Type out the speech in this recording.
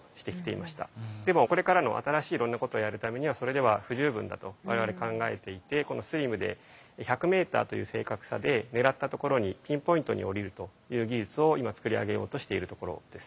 でもこれからの新しいいろんなことをやるためにはそれでは不十分だと我々考えていてこのＳＬＩＭで１００メーターという正確さで狙ったところにピンポイントに降りるという技術を今作り上げようとしているところです。